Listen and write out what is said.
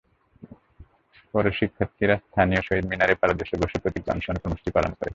পরে শিক্ষার্থীরা স্থানীয় শহীদ মিনারের পাদদেশে বসে প্রতীকী অনশন কর্মসূচি পালন করে।